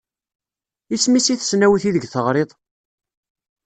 Isem-is i tesnawit ideg teɣriḍ?